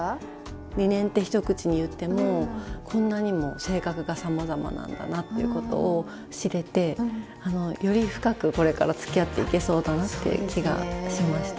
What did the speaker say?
リネンって一口に言ってもこんなにも性格がさまざまなんだなっていうことを知れてより深くこれからつきあっていけそうだなっていう気がしました。